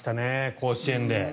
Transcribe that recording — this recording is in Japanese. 甲子園で。